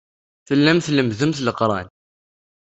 Tellamt tlemmdemt Leqran.